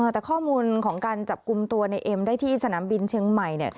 แต่ข้อมูลของการจับกลุ่มตัวในเอ็มได้ที่สนามบินเชียงใหม่